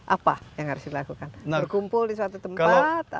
apa yang harus dilakukan berkumpul di suatu tempat